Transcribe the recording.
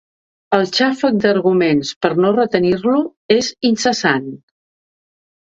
El xàfec d'arguments per no retenir-lo és incessant.